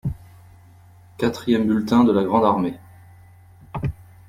Quatrième bulletin de la grande armée.